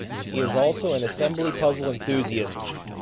He is also an assembly puzzle enthusiast.